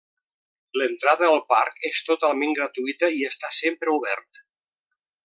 L'entrada al parc és totalment gratuïta i està sempre obert.